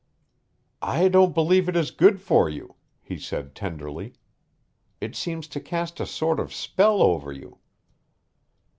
"I don't believe it is good for you," he said tenderly. "It seems to cast a sort of spell over you."